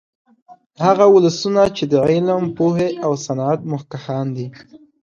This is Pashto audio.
هغه ولسونه چې د علم، پوهې او صنعت مخکښان دي